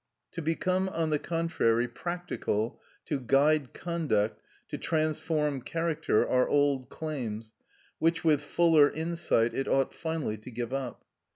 To become, on the contrary, practical, to guide conduct, to transform character, are old claims, which with fuller insight it ought finally to give up.